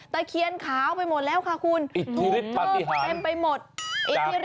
ตะเคียนขาวไปหมดแล้วค่ะคุณดูเมืองเต็มไปหมดอิทธิฤทธิ์ปฏิหาร